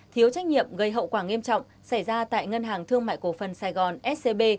thiếu trách nhiệm gây hậu quả nghiêm trọng xảy ra tại ngân hàng thương mại cổ phần sài gòn scb